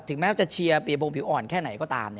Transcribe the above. ถึงแม้จะเชียร์เปรียบโมงผิวอ่อนแค่ไหนก็ตาม